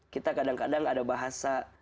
kita kadang kadang ada bahasa